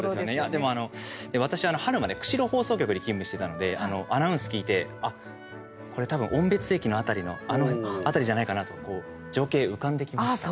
でも私、春まで釧路放送局で勤務してたのでアナウンス聞いてこれ、たぶん音別駅の辺りのあの辺りじゃないかなと情景、浮かんできました。